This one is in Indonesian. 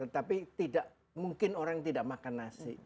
tetapi tidak mungkin orang tidak makan nasi